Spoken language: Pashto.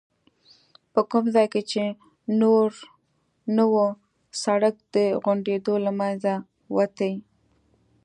په کوم ځای کې چې نور نو سړک د غونډیو له منځه وتی.